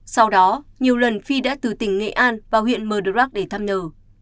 sau đó nhiều lần phi đã từ tỉnh nghệ an vào huyện mờ đơ rắc để thăm nờ